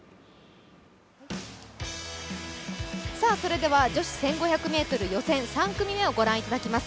それでは女子１５００ｍ予選第３組をご覧いただきます。